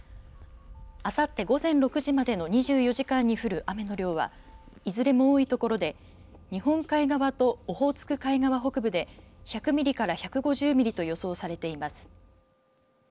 あさって午前６時までの２４時間に降る雨の量はいずれも多いところで日本海側とオホーツク海側北部で１００ミリから１５０ミリと予想されています。